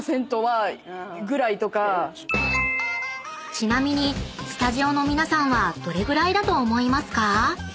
［ちなみにスタジオの皆さんはどれぐらいだと思いますか？］